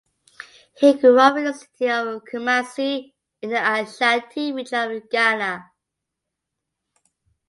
He grew up in the city of Kumasi in the Ashanti Region of Ghana.